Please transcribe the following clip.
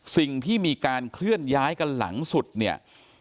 สิ่งที่มีการเคลื่อนย้ายกันหลังสุดเนี่ย